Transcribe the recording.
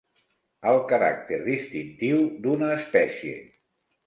El caràcter distintiu d'una espècie.